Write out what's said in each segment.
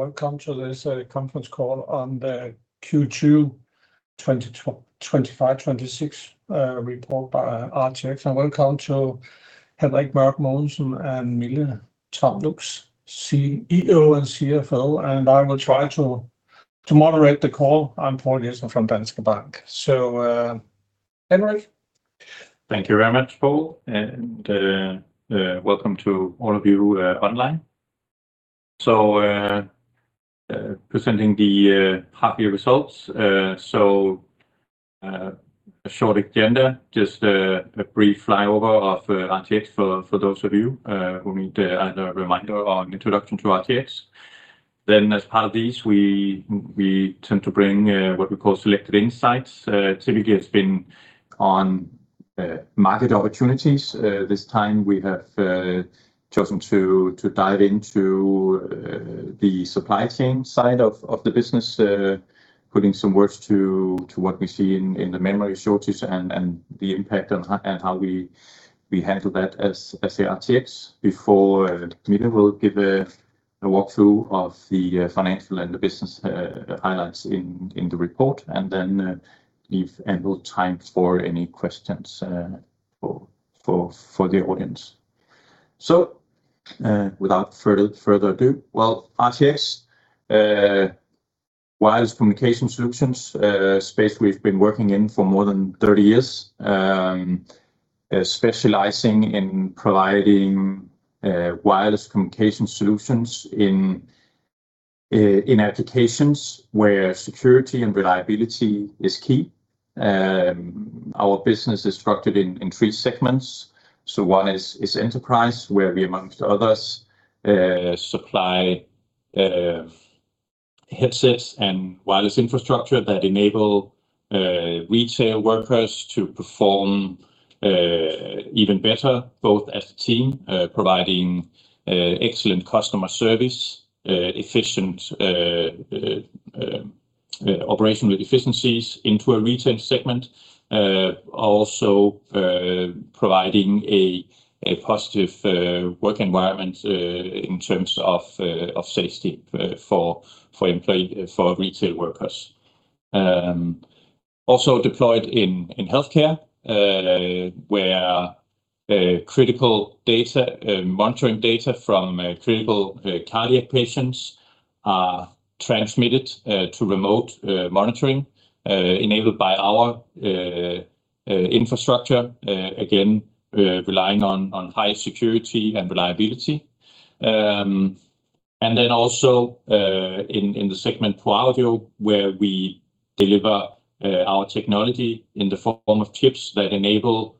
Welcome to this conference call on the Q2 2025, 2026 report by RTX. Welcome to Henrik Mørck Mogensen and Mille Trapp Lund, CEO and CFO. I will try to moderate the call. I'm Poul Jessen from Danske Bank. Henrik? Thank you very much, Poul. Welcome to all of you online. A short agenda, just a brief flyover of RTX for those of you who need either a reminder or an introduction to RTX. As part of this, we tend to bring what we call selected insights. Typically it's been on market opportunities. This time we have chosen to dive into the supply chain side of the business, putting some words to what we see in the memory shortage and the impact and how we handle that as RTX. Before Mille will give a walkthrough of the financial and the business highlights in the report, and then leave ample time for any questions for the audience. Without further ado, well, RTX wireless communication solutions space we've been working in for more than 30 years, specializing in providing wireless communication solutions in applications where security and reliability is key. Our business is structured in three segments. One is Enterprise, where we, amongst others, supply headsets and wireless infrastructure that enable retail workers to perform even better, both as a team, providing excellent customer service, efficient operational efficiencies into a retail segment. Also, providing a positive work environment in terms of safety for retail workers. Also deployed in Healthcare, where critical data, monitoring data from critical cardiac patients are transmitted to remote monitoring enabled by our infrastructure, again relying on high security and reliability. Also in the segment ProAudio, where we deliver our technology in the form of chips that enable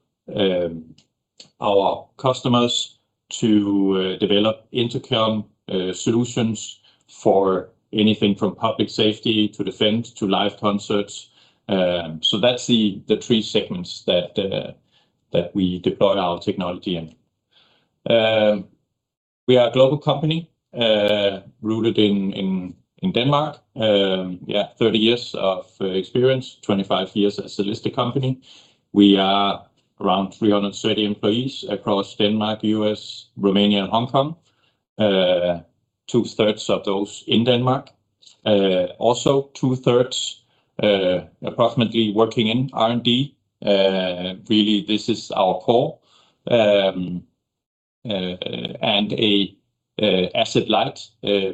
our customers to develop intercom solutions for anything from public safety to defense to live concerts. That's the three segments we deploy our technology in. We are a global company rooted in Denmark. 30 years of experience, 25 years as a listed company. We are around 330 employees across Denmark, U.S., Romania, and Hong Kong. Two-thirds of those in Denmark. Also two-thirds, approximately working in R&D. Really this is our core. A asset-light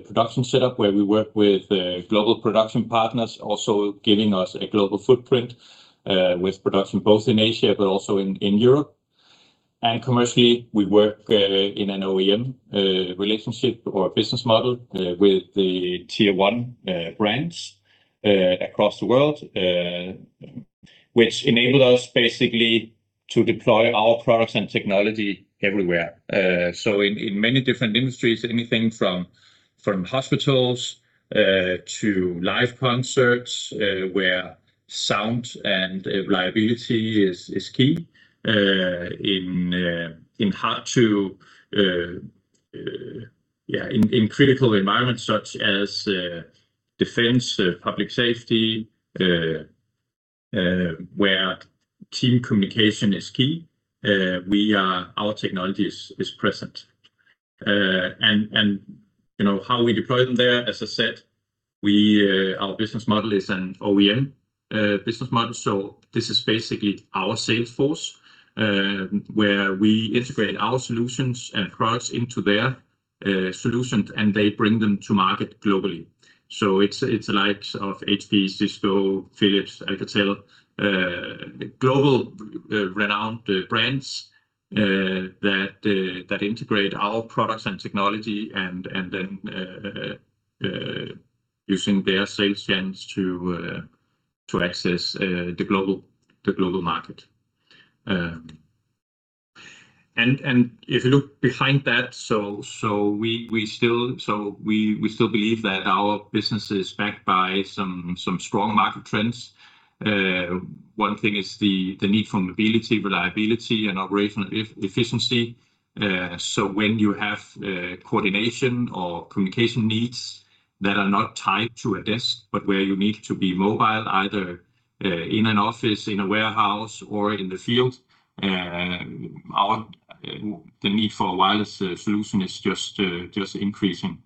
production setup where we work with global production partners also giving us a global footprint with production both in Asia but also in Europe. Commercially, we work in an OEM relationship or business model with the tier 1 brands across the world, which enable us basically to deploy our products and technology everywhere. In many different industries, anything from hospitals to live concerts, where sound and reliability is key. Yeah, in critical environments such as defense, public safety, where team communication is key, our technology is present. You know how we deploy them there, as I said, we, our business model is an OEM business model, this is basically our sales force, where we integrate our solutions and products into their solutions, and they bring them to market globally. It's the likes of HP, Cisco, Philips, Alcatel, global renowned brands that integrate our products and technology and then using their sales channels to access the global market. If you look behind that, we still believe that our business is backed by some strong market trends. One thing is the need for mobility, reliability, and operational efficiency. When you have coordination or communication needs that are not tied to a desk, but where you need to be mobile, either in an office, in a warehouse, or in the field, our the need for a wireless solution is just increasing.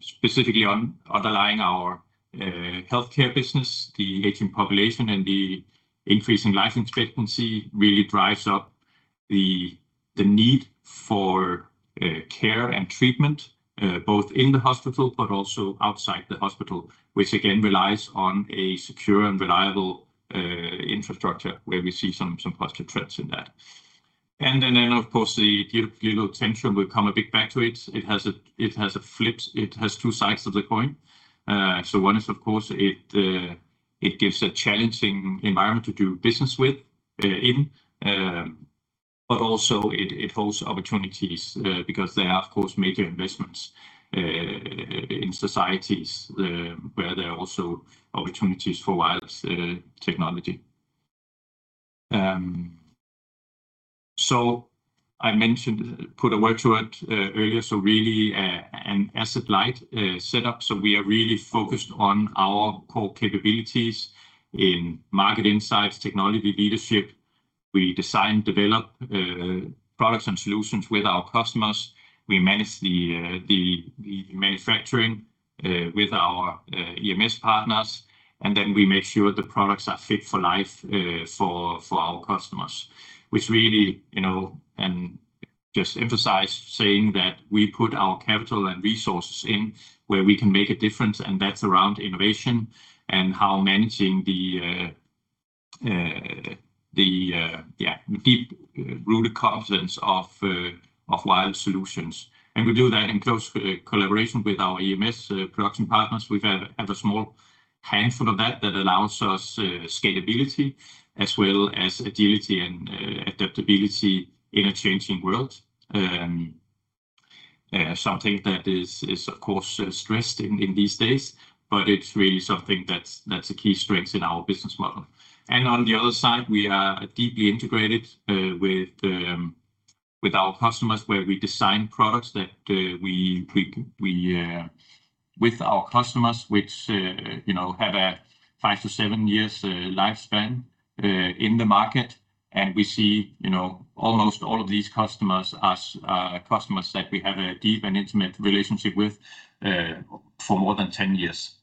Specifically on underlying our Healthcare business, the aging population and the increasing life expectancy really drives up the need for care and treatment, both in the hospital but also outside the hospital, which again relies on a secure and reliable infrastructure where we see some positive trends in that. Of course, the geopolitical tension will come a bit back to it. It has a flip. It has two sides of the coin. One is of course it gives a challenging environment to do business with in. Also it holds opportunities because there are of course major investments in societies where there are also opportunities for wireless technology. I mentioned, put a word to it earlier. Really an asset-light setup. We are really focused on our core capabilities in market insights, technology leadership. We design, develop products and solutions with our customers. We manage the manufacturing with our EMS partners. We make sure the products are fit for life for our customers, which really, you know, and just emphasize saying that we put our capital and resources in where we can make a difference. That's around innovation and how managing the deep rooted competence of wireless solutions. We do that in close collaboration with our EMS production partners. We have a small handful of that allows us scalability as well as agility and adaptability in a changing world. Something that is of course stressed in these days, but it's really something that's a key strength in our business model. On the other side, we are deeply integrated with our customers, where we design products that we, with our customers, which, you know, have a five to seven years lifespan in the market. We see, you know, almost all of these customers as customers that we have a deep and intimate relationship with, for more than 10 years.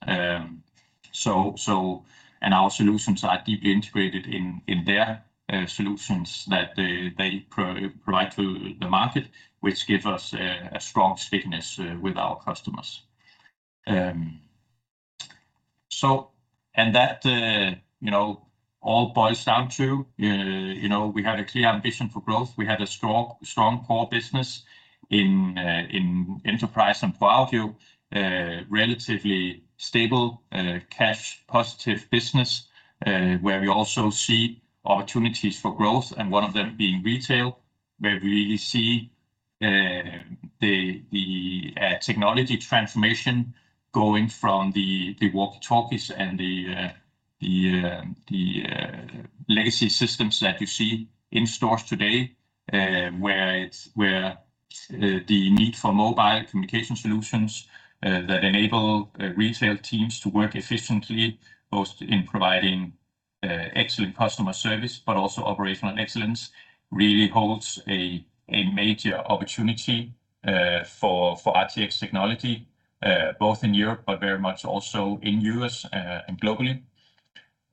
Our solutions are deeply integrated in their solutions that they provide to the market, which gives us a strong stickiness with our customers. That, you know, all boils down to, you know, we have a clear ambition for growth. We have a strong core business in Enterprise and ProAudio, relatively stable, cash positive business, where we also see opportunities for growth, and one of them being retail, where we see the technology transformation going from the walkie-talkies and the legacy systems that you see in stores today, where the need for mobile communication solutions that enable retail teams to work efficiently, both in providing excellent customer service, but also operational excellence really holds a major opportunity for RTX technology, both in Europe, but very much also in U.S., and globally.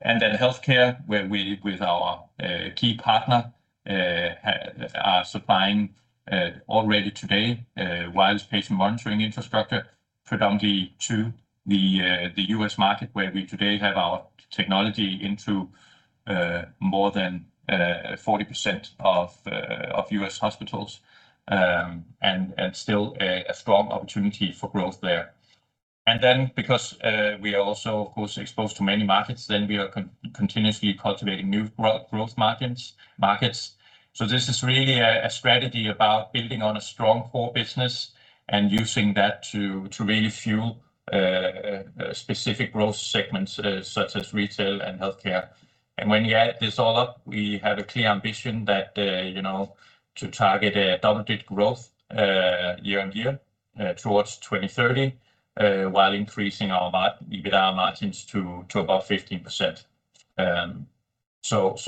Healthcare, where we with our key partner are supplying already today wireless patient monitoring infrastructure predominantly to the U.S. market where we today have our technology into more than 40% of U.S. hospitals. And still a strong opportunity for growth there. Because we are also of course exposed to many markets, then we are continuously cultivating new growth markets. This is really a strategy about building on a strong core business and using that to really fuel specific growth segments such as retail and Healthcare. When you add this all up, we have a clear ambition that, you know, to target a double-digit growth year on year towards 2030, while increasing our EBITDA margins to above 15%.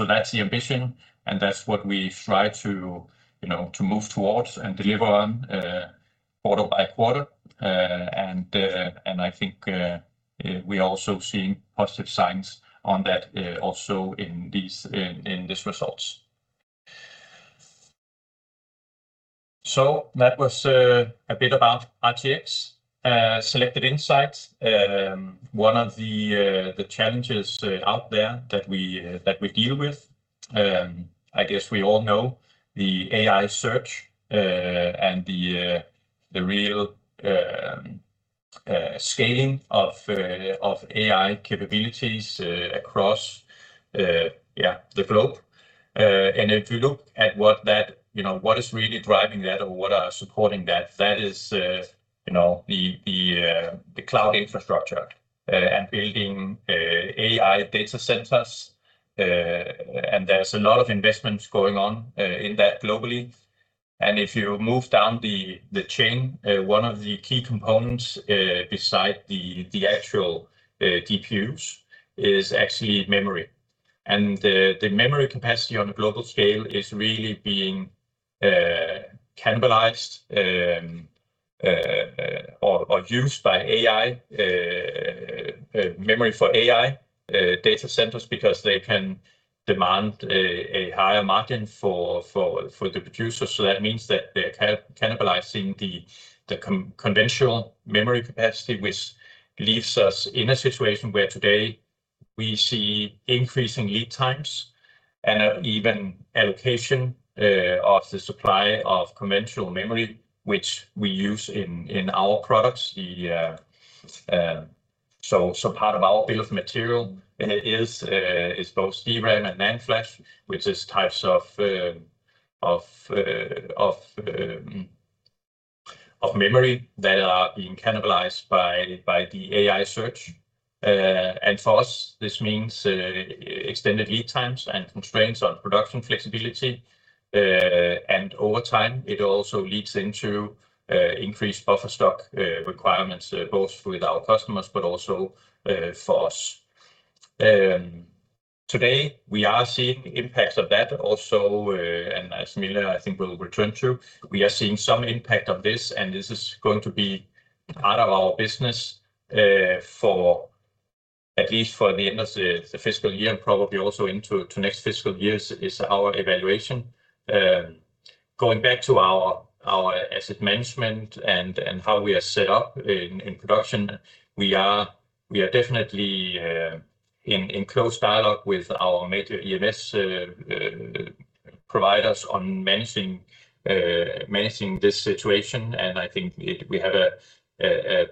That's the ambition, and that's what we try to, you know, to move towards and deliver on quarter by quarter. I think we are also seeing positive signs on that, also in these results. That was a bit about RTX. Selected insights. One of the challenges out there that we that we deal with, I guess we all know the AI search and the real scaling of AI capabilities across yeah, the globe. If you look at what that, you know, what is really driving that or what are supporting that is, you know, the cloud infrastructure and building AI data centers. There's a lot of investments going on in that globally. If you move down the chain, one of the key components beside the actual GPUs is actually memory. The memory capacity on a global scale is really being cannibalized or used by AI. Memory for AI data centers because they can demand a higher margin for the producer. That means that they're cannibalizing the conventional memory capacity, which leaves us in a situation where today we see increasing lead times, even allocation of the supply of conventional memory, which we use in our products. Part of our Bill of Materials is both DRAM and NAND flash, which is types of memory that are being cannibalized by the AI search. For us, this means extended lead times and constraints on production flexibility. Over time, it also leads into increased buffer stock requirements, both with our customers, but also for us. Today we are seeing impacts of that also, and as Mille, I think will return to, we are seeing some impact of this, and this is going to be part of our business for at least for the end of the fiscal year and probably also into next fiscal years is our evaluation. Going back to our asset management and how we are set up in production, we are definitely in close dialogue with our major EMS providers on managing this situation, and I think we have an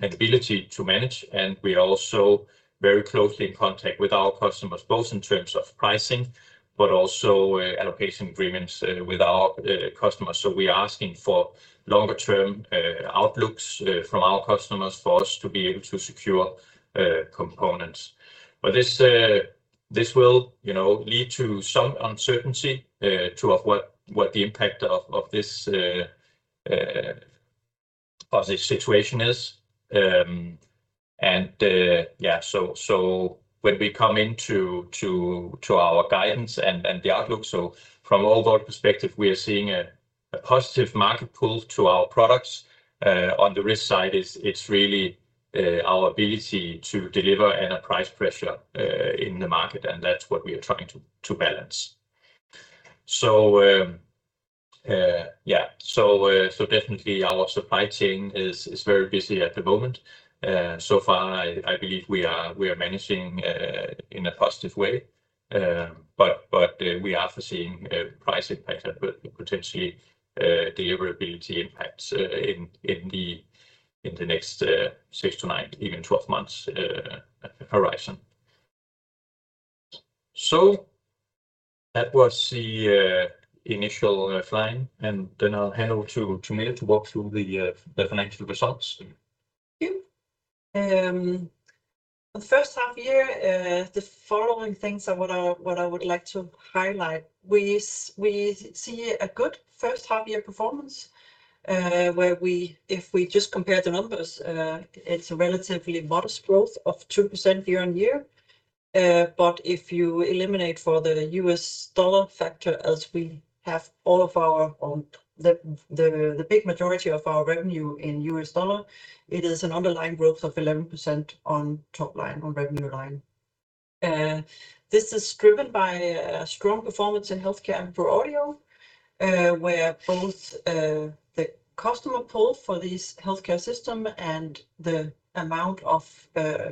ability to manage. We are also very closely in contact with our customers, both in terms of pricing, but also allocation agreements with our customers. We are asking for longer term outlooks from our customers for us to be able to secure components. This will, you know, lead to some uncertainty of what the impact of this situation is. When we come into to our guidance and the outlook, from overall perspective, we are seeing a positive market pull to our products. On the risk side, it's really our ability to deliver at a price pressure in the market, and that's what we are trying to balance. Definitely our supply chain is very busy at the moment. So far, I believe we are managing in a positive way. We are foreseeing a price impact and potentially deliverability impacts in the next six to nine, even 12 months horizon. That was the initial line, and then I'll hand over to Mille to walk through the financial results. Thank you. For the first half year, the following things are what I would like to highlight. We see a good first half year performance, where we if we just compare the numbers, it's a relatively modest growth of 2% year-on-year. If you eliminate for the US dollar factor, as we have all of our, the big majority of our revenue in US dollar, it is an underlying growth of 11% on top line, on revenue line. This is driven by a strong performance in Healthcare and ProAudio, where both, the customer pull for these Healthcare system and the amount of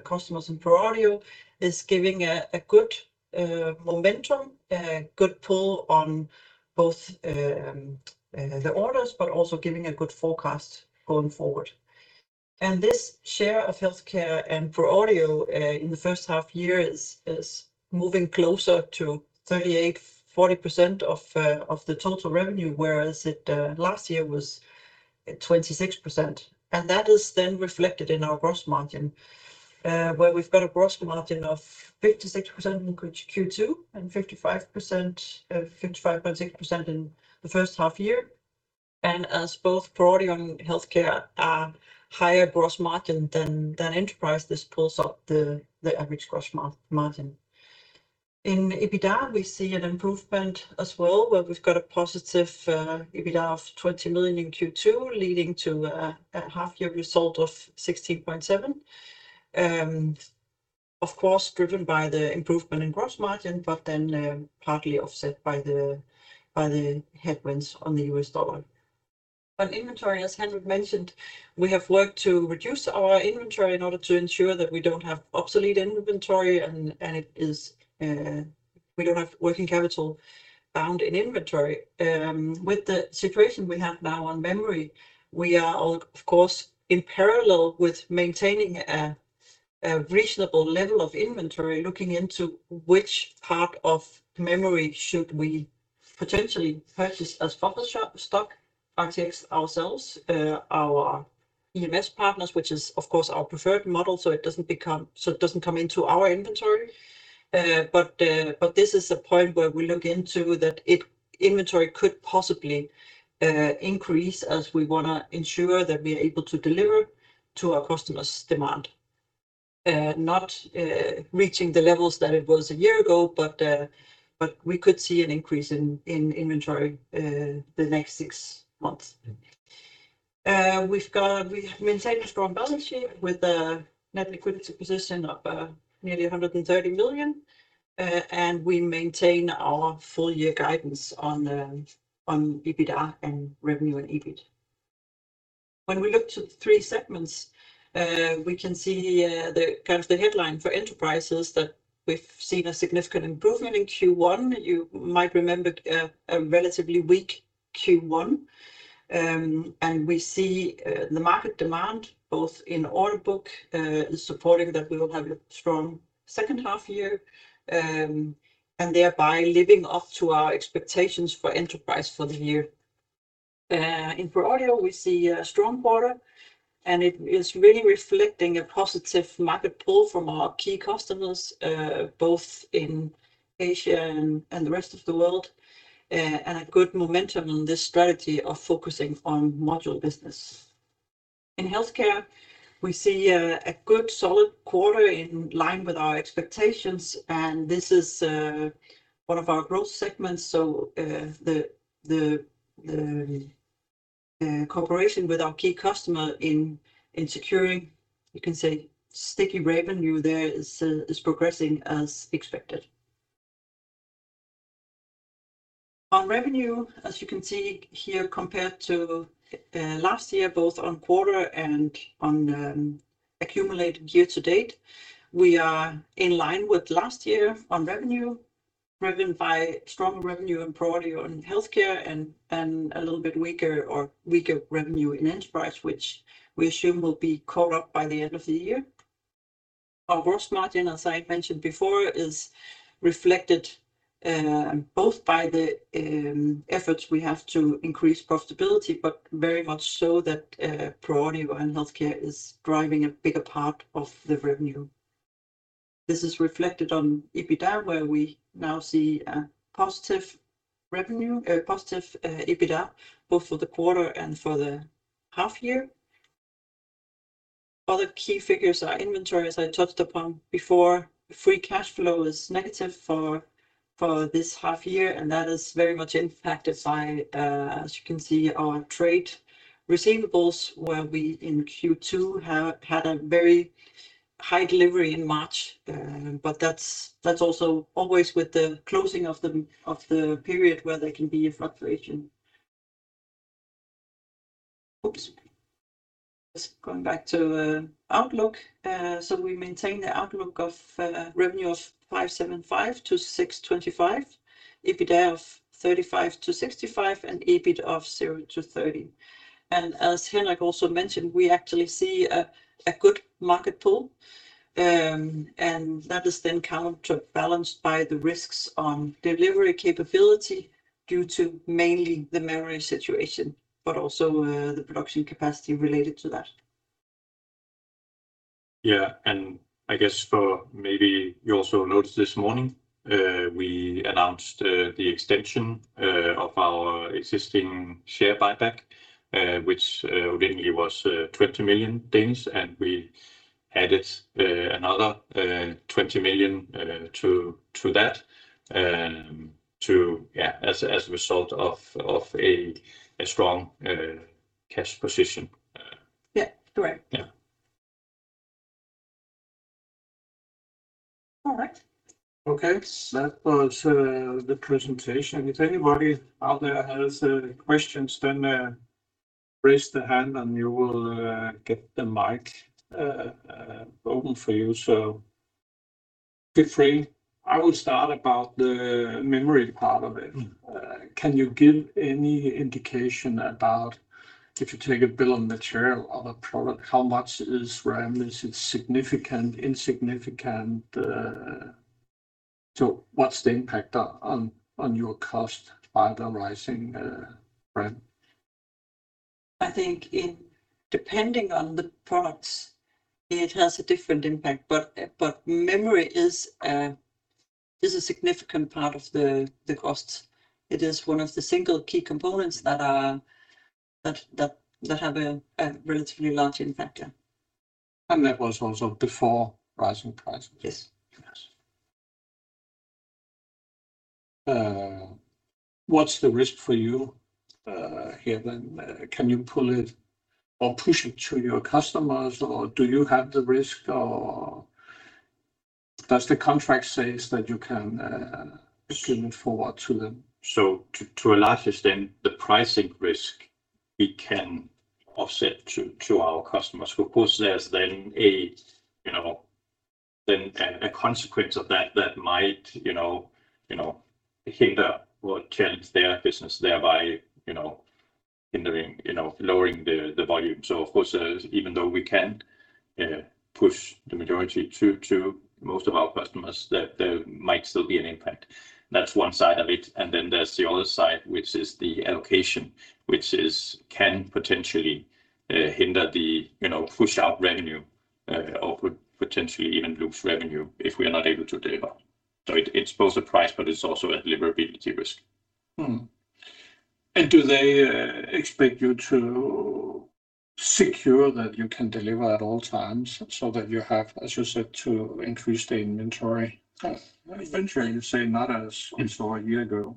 customers in ProAudio is giving a good momentum, a good pull on both, the orders, but also giving a good forecast going forward. This share of Healthcare and ProAudio in the first half-year is moving closer to 38%-40% of the total revenue, whereas it last year was at 26%. That is reflected in our gross margin, where we've got a gross margin of 56% in Q2, and 55.6% in the first half-year. As both ProAudio and Healthcare are higher gross margin than Enterprise, this pulls up the average gross margin. In EBITDA, we see an improvement as well, where we've got a positive EBITDA of 20 million in Q2, leading to a half-year result of 16.7 million. Of course, driven by the improvement in gross margin, partly offset by the headwinds on the U.S. dollar. On inventory, as Henrik mentioned, we have worked to reduce our inventory in order to ensure that we don't have obsolete inventory, and it is, we don't have working capital bound in inventory. With the situation we have now on memory, we are all, of course, in parallel with maintaining a reasonable level of inventory, looking into which part of memory should we potentially purchase as buffer stock, RTX ourselves, our EMS partners, which is, of course, our preferred model it doesn't come into our inventory. This is a point where we look into that inventory could possibly increase as we wanna ensure that we're able to deliver to our customers' demand. Not reaching the levels that it was a year ago, but we could see an increase in inventory the next six months. We maintain a strong balance sheet with a net liquidity position of nearly $130 million. We maintain our full year guidance on EBITDA and revenue and EBIT. When we look to the three segments, we can see the headline for Enterprise is that we've seen a significant improvement in Q1. You might remember a relatively weak Q1. We see the market demand both in order book supporting that we will have a strong second half-year. Thereby living up to our expectations for Enterprise for the year. In ProAudio we see a strong quarter, and it is really reflecting a positive market pull from our key customers, both in Asia and the rest of the world. And a good momentum on this strategy of focusing on module business. In Healthcare we see a good solid quarter in line with our expectations, and this is one of our growth segments, so the cooperation with our key customer in securing, you can say, sticky revenue there is progressing as expected. On revenue, as you can see here, compared to last year, both on quarter and on accumulated year to date, we are in line with last year on revenue. Driven by strong revenue in ProAudio and Healthcare, and a little bit weaker revenue in Enterprise, which we assume will be caught up by the end of the year. Our gross margin, as I mentioned before, is reflected both by the efforts we have to increase profitability, but very much so that ProAudio and Healthcare is driving a bigger part of the revenue. This is reflected on EBITDA, where we now see a positive EBITDA both for the quarter and for the half year. Other key figures are inventory, as I touched upon before. Free cashflow is negative for this half year, and that is very much impacted by, as you can see, our trade receivables where we in Q2 have had a very high delivery in March. That's also always with the closing of the period where there can be a fluctuation. Just going back to outlook. We maintain the outlook of revenue of 575-625, EBITDA of 35-65, and EBIT of 0-30. As Henrik also mentioned, we actually see a good market pull, and that is then counterbalanced by the risks on delivery capability due to mainly the memory situation, but also the production capacity related to that. Yeah. I guess for maybe you also noticed this morning, we announced the extension of our existing share buyback, which originally was 20 million, and we added another 20 million to that, as a result of a strong cash position. Yeah, correct. Yeah. All right. Okay. That was the presentation. If anybody out there has questions, then raise the hand and you will get the mic open for you, so feel free. I will start about the memory part of it. Can you give any indication about if you take a Bill of Materials of a product, how much is RAM? Is it significant, insignificant? What's the impact on your cost by the rising, RAM? Depending on the products, it has a different impact, but memory is a significant part of the costs. It is one of the single key components that have a relatively large impact, yeah. That was also before rising prices? Yes. Yes. What's the risk for you here, then? Can you pull it or push it to your customers, or do you have the risk, or does the contract says that you can push it forward to them? To a large extent, the pricing risk we can offset to our customers. Of course, there's then a, you know, a consequence of that that might, you know, hinder or challenge their business thereby, you know, hindering lowering the volume. Of course, even though we can push the majority to most of our customers, there might still be an impact. That's one side of it. There's the other side, which is the allocation, which is can potentially hinder the, you know, push out revenue or potentially even lose revenue if we are not able to deliver. It's both a price, but it's also a deliverability risk. Do they expect you to secure that you can deliver at all times so that you have, as you said, to increase the inventory? Yes. Eventually you say. Yes It was a year ago.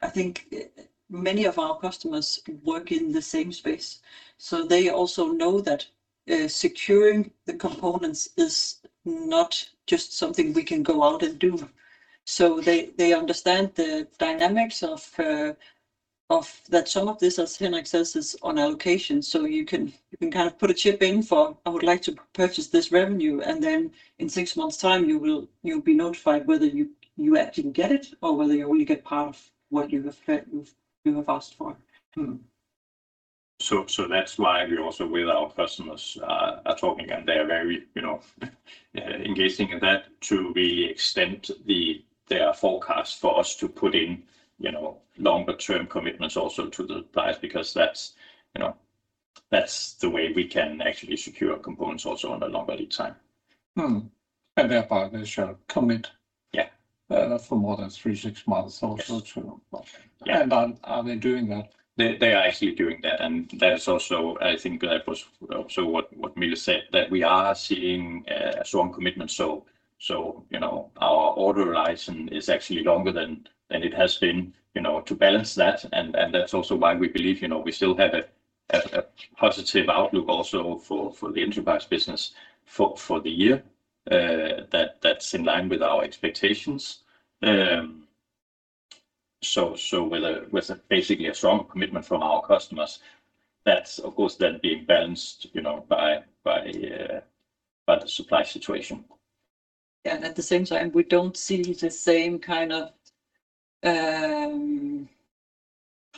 I think, many of our customers work in the same space, so they also know that, securing the components is not just something we can go out and do. So they understand the dynamics of that some of this, as Henrik says, is on allocation. So you can kind of put a chip in for, "I would like to purchase this revenue," and then in six months' time you'll be notified whether you actually get it or whether you only get part of what you have asked for. That's why we also with our customers, are talking, and they're very, you know, engaging in that to really extend their forecast for us to put in, you know, longer term commitments also to the suppliers because that's, you know, that's the way we can actually secure components also on a longer lead time. Mm. And thereby they shall commit- Yeah for more than three, six months or so. Yes. Yeah. Are they doing that? They are actually doing that, and that is also I think that was also what Mille said, that we are seeing a strong commitment. You know, our order horizon is actually longer than it has been, you know, to balance that. That's also why we believe, you know, we still have a positive outlook also for the Enterprise business for the year. That's in line with our expectations. With a basically a strong commitment from our customers, that's of course then being balanced, you know, by the supply situation. Yeah. At the same time, we don't see the same kind of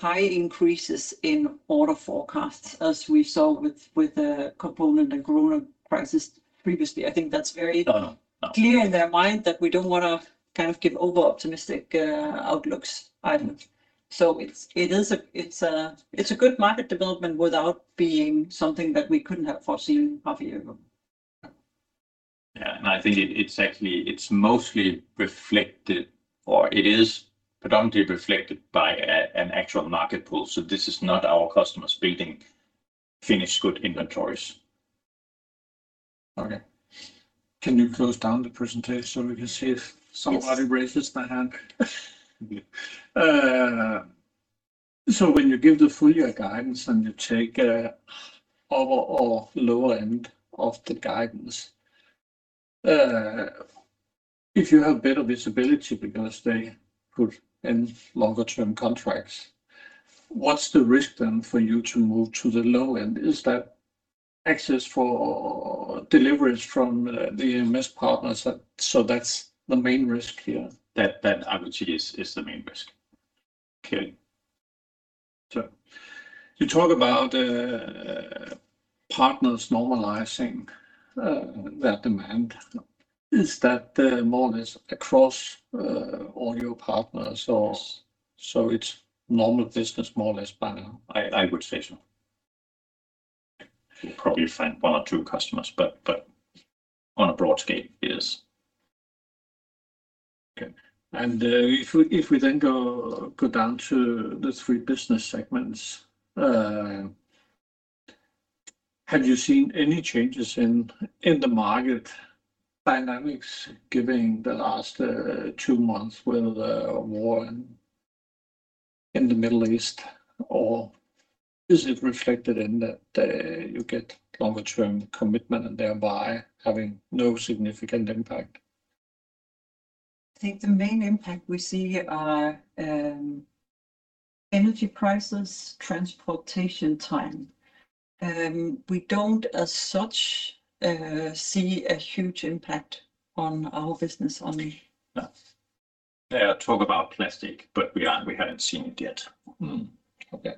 high increases in order forecasts as we saw with the component and corona crisis previously. I think that's very. No, no. No clear in their mind that we don't wanna kind of give over-optimistic outlooks either. It is a good market development without being something that we couldn't have foreseen half a year ago. Yeah. I think it's actually, it's mostly reflected, or it is predominantly reflected by an actual market pull. This is not our customers building finished good inventories. Okay. Can you close down the presentation so we can see? Yes Somebody raises their hand? When you give the full year guidance and you take a upper or lower end of the guidance, if you have better visibility because they put in longer term contracts, what's the risk then for you to move to the low end? Is that access for deliverance from the EMS partners that's the main risk here? That I would say is the main risk. Okay. You talk about partners normalizing their demand. Yeah. Is that more or less across all your partners? Yes It's normal business more or less by now? I would say so. You'll probably find one or two customers, but on a broad scale, yes. Okay. If we then go down to the three business segments, have you seen any changes in the market dynamics given the last two months with the war in the Middle East? Or is it reflected in that you get longer term commitment and thereby having no significant impact? I think the main impact we see are, energy prices, transportation time. We don't as such, see a huge impact on our business only. No. They talk about plastic, but we aren't, we haven't seen it yet. Okay.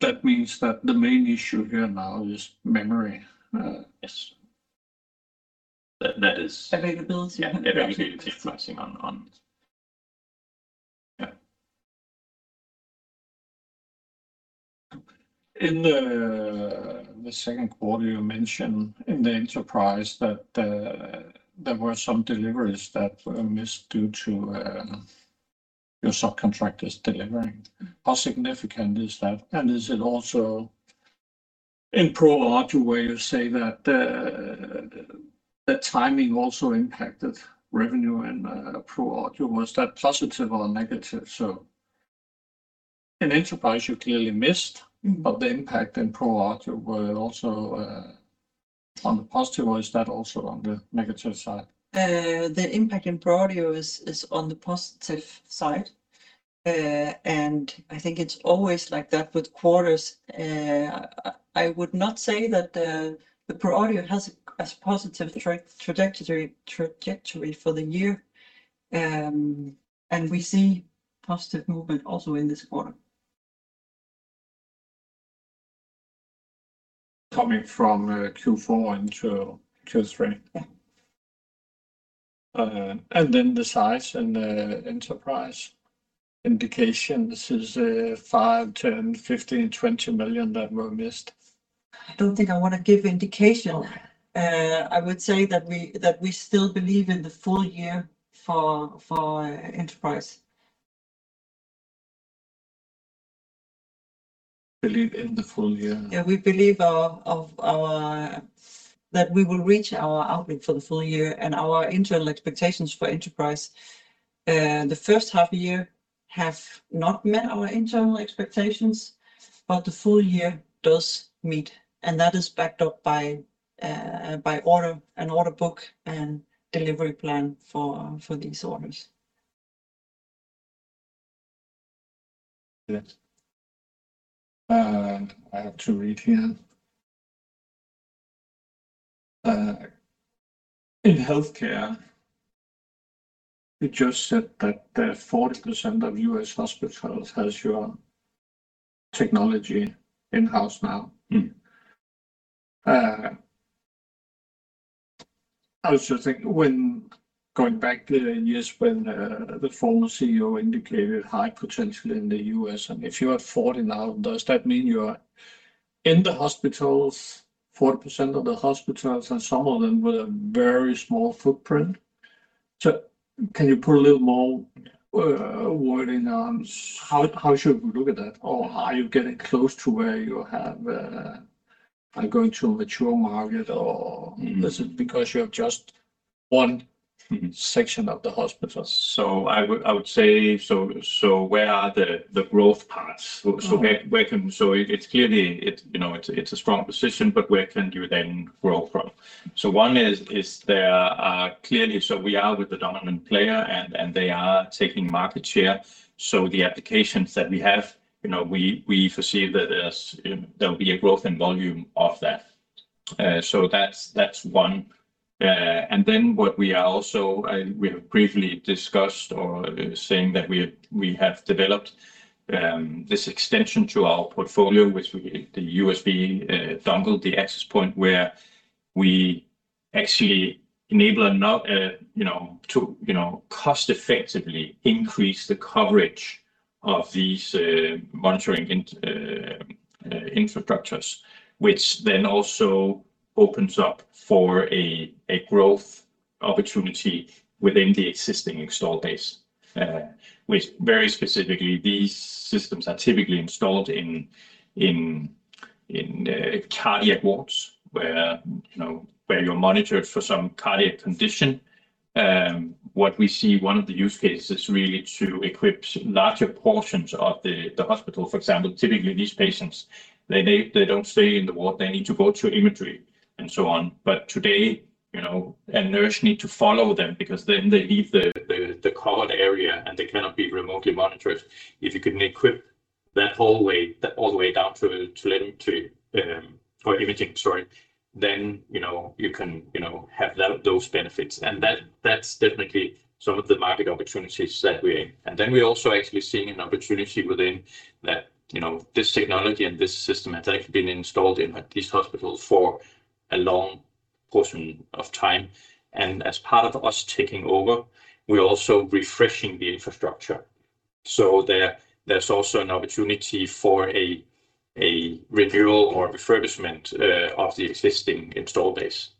That means that the main issue here now is memory. Yes. That. Availability Yeah, availability is pressing on. Yeah. In the second quarter, you mentioned in the Enterprise that there were some deliveries that were missed due to your subcontractors delivering. How significant is that? Is it also in ProAudio where you say that the timing also impacted revenue in ProAudio? Was that positive or negative? In Enterprise you clearly missed. The impact in ProAudio was also on the positive, or is that also on the negative side? The impact in ProAudio is on the positive side. I think it's always like that with quarters. I would not say that the ProAudio has a as positive trajectory for the year. We see positive movement also in this quarter. Coming from Q4 into Q3. Yeah. The size and Enterprise indication. This is $5 million, $10 million, $15 million, $20 million that were missed. I don't think I wanna give indication. Okay. I would say that we still believe in the full year for Enterprise. Believe in the full year. Yeah, we believe That we will reach our outlook for the full year. Our internal expectations for Enterprise, the first half year have not met our internal expectations. The full year does meet. That is backed up by order and order book and delivery plan for these orders. Yes. I have to read here. In Healthcare, it just said that 40% of U.S. hospitals has your technology in-house now. I also think when going back the years when the former CEO indicated high potential in the U.S. If you are 40 now, does that mean you are in the hospitals, 40% of the hospitals and some of them with a very small footprint? Can you put a little more wording on how should we look at that? Are you getting close to where you have are going to a mature market? This is because you have just one section of the hospitals? I would say, so where are the growth paths? It's clearly, you know, a strong position, but where can you then grow from? One is, there are clearly So we are with the dominant player and they are taking market share. The applications that we have, you know, we foresee that there'll be a growth in volume of that. That's one. What we are also, we have briefly discussed or saying that we have developed this extension to our portfolio, which we, the USB dongle, the access point where we actually enable a node, you know, to, you know, cost effectively increase the coverage of these monitoring infrastructures, which then also opens up for a growth opportunity within the existing install base. Which very specifically these systems are typically installed in cardiac wards where, you know, where you're monitored for some cardiac condition. What we see one of the use cases really to equip larger portions of the hospital, for example. Typically, these patients don't stay in the ward. They need to go to imagery and so on. Today, you know, a nurse need to follow them because then they leave the covered area, and they cannot be remotely monitored. If you can equip that whole way, that all the way down telemetry, or imaging, sorry, then, you know, you can have those benefits. That's definitely some of the market opportunities. We're also actually seeing an opportunity within that, you know, this technology and this system has actually been installed in these hospitals for a long portion of time. As part of us taking over, we're also refreshing the infrastructure. There's also an opportunity for a renewal or refurbishment of the existing install base.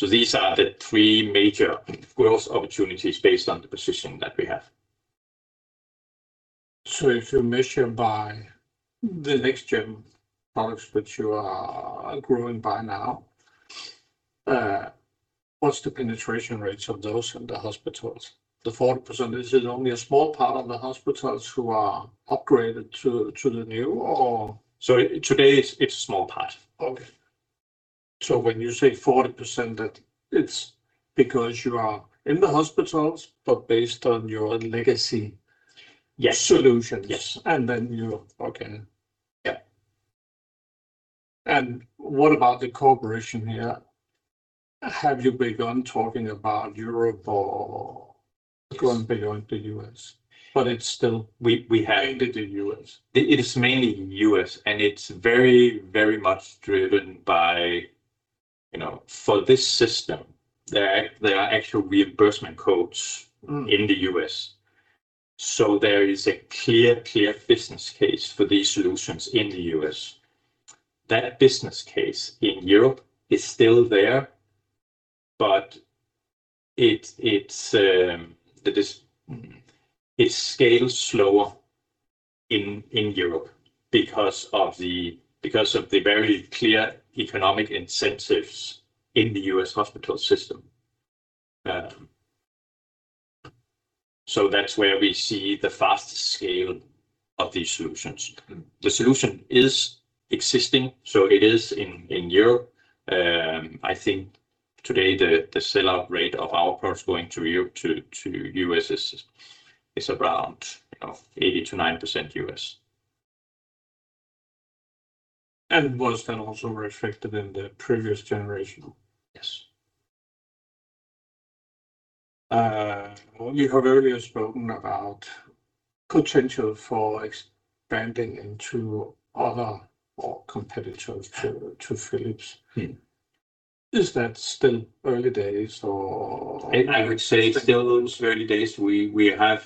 These are the three major growth opportunities based on the position that we have. If you measure by the next-gen products that you are growing by now, what's the penetration rates of those in the hospitals? The 40% is it only a small part of the hospitals who are upgraded to the new or? Today it's a small part. Okay. When you say 40%, that it's because you are in the hospitals, but based on your legacy? Yes solutions. Yes. You Okay. Yeah. What about the cooperation here? Have you begun talking about Europe or gone beyond the U.S.? But it's still, we have- Mainly the U.S. It is mainly U.S., and it's very much driven by, you know, for this system, there are actual reimbursement codes. in the U.S. There is a clear business case for these solutions in the U.S. That business case in Europe is still there, but it's it scales slower in Europe because of the very clear economic incentives in the U.S. hospital system. That's where we see the fastest scale of these solutions. The solution is existing, so it is in Europe. I think today the sell-out rate of our products going to U.S. is around, you know, 80%-90% U.S. Was that also reflected in the previous generation? Yes. You have earlier spoken about potential for expanding into other or competitors to Philips? Is that still early days or-? I would say it's still early days. We have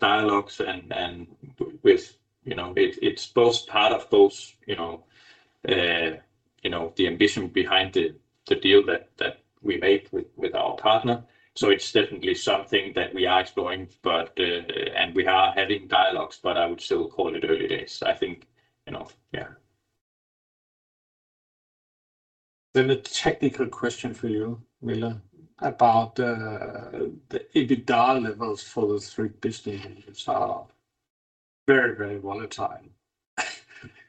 dialogues and with You know, it's both part of both, you know, you know, the ambition behind the deal that we made with our partner. It's definitely something that we are exploring, but we are having dialogues, but I would still call it early days. I think, you know, yeah. A technical question for you, Mille, about the EBITDA levels for the three business units are very, very volatile.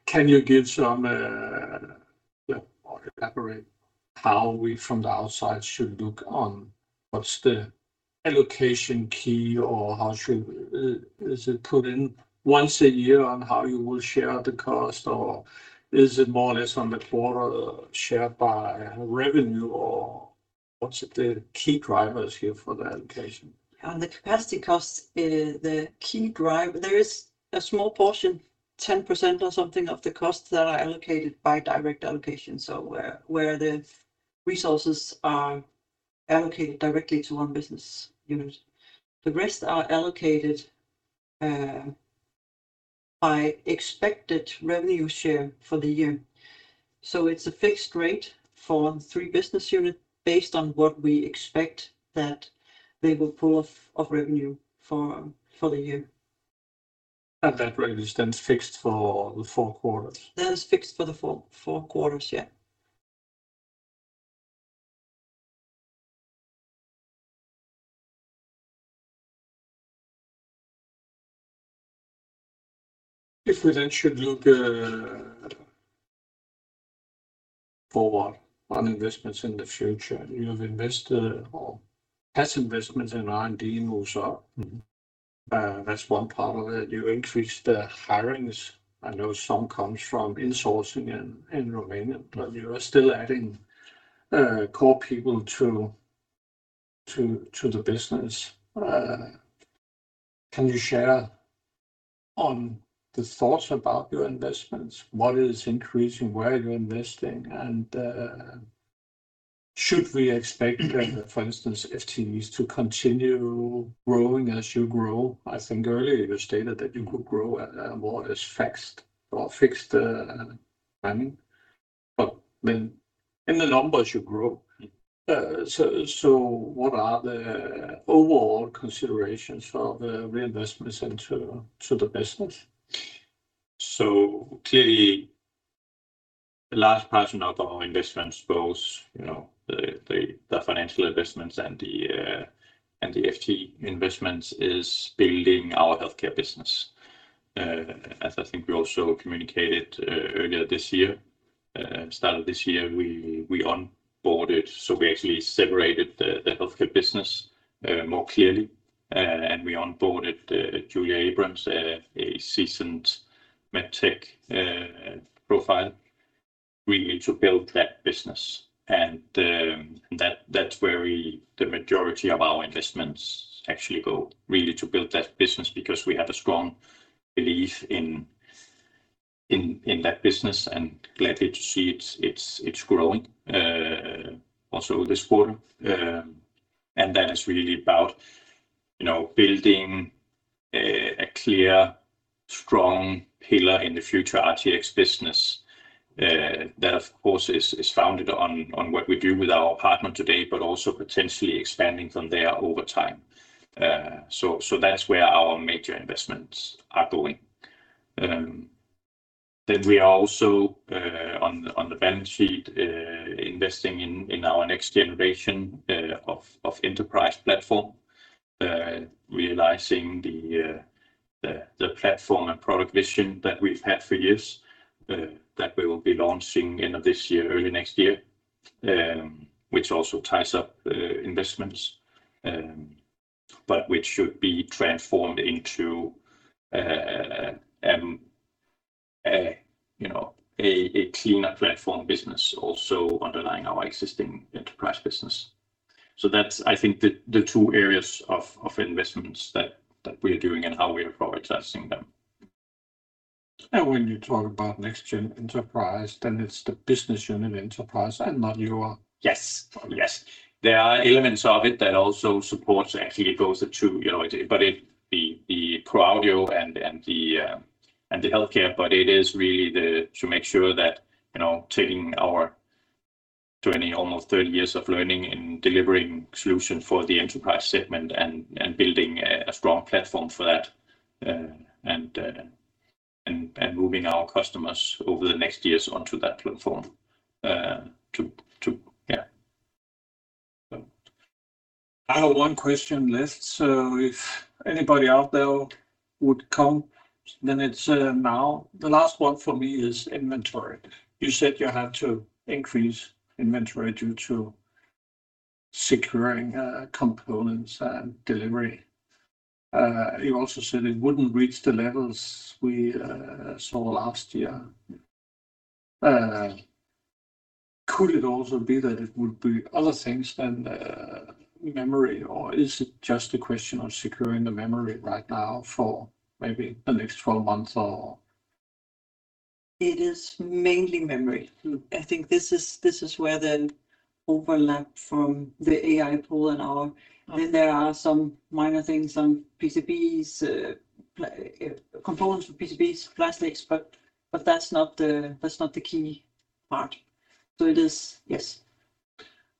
Can you give some, Yeah, or elaborate how we from the outside should look on what's the allocation key or is it put in once a year on how you will share the cost, or is it more or less on the quarter shared by revenue, or what's the key drivers here for the allocation? On the capacity costs, there is a small portion, 10% or something of the costs that are allocated by direct allocation, so where the resources are allocated directly to one business unit. The rest are allocated by expected revenue share for the year. It's a fixed rate for three business unit based on what we expect that they will pull off revenue for the year. That rate is then fixed for the four quarters? That is fixed for the four quarters, yeah. If we then should look forward on investments in the future, investments in R&D moves up. That's one part of it. You increase the hirings. I know some comes from insourcing in Romania. You are still adding core people to the business. Can you share on the thoughts about your investments? What is increasing? Where are you investing? Should we expect for instance, FTEs to continue growing as you grow? I think earlier you stated that you could grow at more or less fixed or fixed planning. When In the numbers you grow. What are the overall considerations for the reinvestments into, to the business? Clearly a large portion of our investments, both, you know, the financial investments and the FTE investments is building our Healthcare business. As I think we also communicated earlier this year, start of this year, we onboarded. We actually separated the Healthcare business more clearly, and we onboarded Julia Abrams, a seasoned med tech profile really to build that business. And that's where we the majority of our investments actually go, really to build that business because we have a strong belief in that business and gladly to see it's growing also this quarter. That is really about, you know, building a clear strong pillar in the future RTX business that of course is founded on what we do with our partner today, but also potentially expanding from there over time. That's where our major investments are going. We are also on the balance sheet investing in our next generation of Enterprise platform. Realizing the platform and product vision that we've had for years that we will be launching end of this year, early next year, which also ties up investments, but which should be transformed into a, you know, a cleaner platform business also underlying our existing Enterprise business. That is I think the two areas of investments that we are doing and how we are prioritizing them. When you talk about next-gen Enterprise, then it's the business unit Enterprise and not. Yes. Yes. There are elements of it that also supports actually both the two, you know. It the ProAudio and the Healthcare. It is really the to make sure that, you know, taking our 20, almost 30 years of learning and delivering solution for the Enterprise segment and building a strong platform for that and moving our customers over the next years onto that platform. I have one question left. If anybody out there would come, then it's now. The last one for me is inventory. You said you had to increase inventory due to securing components and delivery. You also said it wouldn't reach the levels we saw last year. Yeah. Could it also be that it would be other things than memory, or is it just a question of securing the memory right now for maybe the next 12 months or? It is mainly memory. I think this is where the overlap from the AI pool and. Okay. There are some minor things on PCBs, components for PCBs, plastics, but that's not the key part. It is, yes.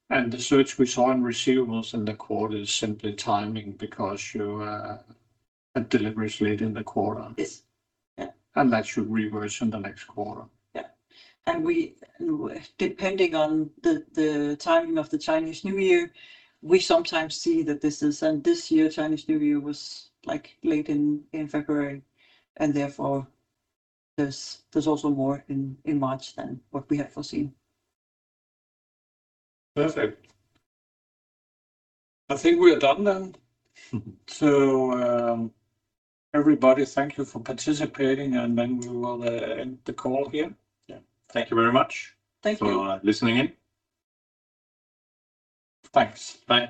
The surge we saw in receivables in the quarter is simply timing because you had deliveries late in the quarter. Yes. Yeah. That should reverse in the next quarter. Yeah. We depending on the timing of the Chinese New Year, we sometimes see that this year Chinese New Year was, like, late in February, and therefore there's also more in March than what we had foreseen. Perfect. I think we are done then. Everybody, thank you for participating, and then we will end the call here. Yeah. Thank you very much. Thank you. for listening in. Thanks. Thanks.